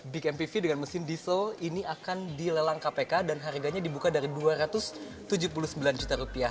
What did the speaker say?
big mpv dengan mesin diesel ini akan dilelang kpk dan harganya dibuka dari dua ratus tujuh puluh sembilan juta rupiah